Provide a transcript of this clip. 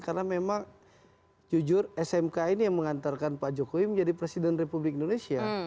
karena memang jujur smk ini yang mengantarkan pak jokowi menjadi presiden republik indonesia